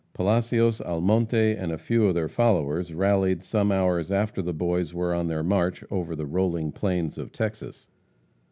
Palacios, Almonte, and a few of their followers rallied some hours after the Boys were on their march over the rolling plains of Texas.